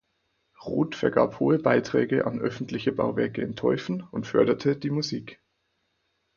Roth vergab hohe Beiträge an öffentliche Bauwerke in Teufen und förderte die Musik.